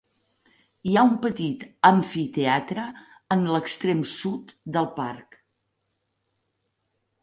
Hi ha un petit amfiteatre en l'extrem sud del parc.